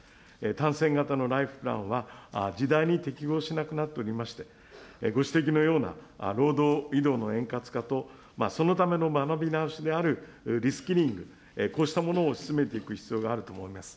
単線型のライフプランは、時代に適合しなくなっておりまして、ご指摘のような労働移動の円滑化と、そのための学び直しであるリ・スキリング、こうしたものを進めていく必要があると思います。